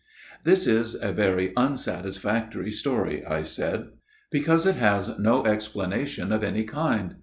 " This is a very unsatisfactory story," I said, " because it has no explanation of any kind.